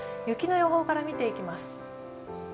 雪の予報から見ていきます。